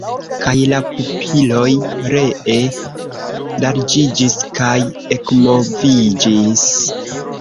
Kaj la pupiloj ree larĝiĝis kaj ekmoviĝis.